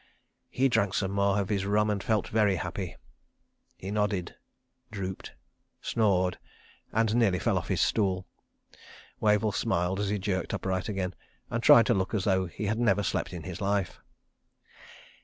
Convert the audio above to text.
He drank some more of his rum and felt very happy. He nodded, drooped, snored—and nearly fell off his stool. Wavell smiled as he jerked upright again, and tried to look as though he had never slept in his life.